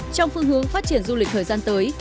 trong phương hướng phát triển du lịch thời gian tới